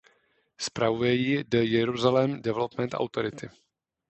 Spravuje ji The Jerusalem Development Authority.